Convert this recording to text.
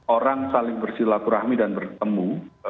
orang saling bersilaku rahmi dan bertemu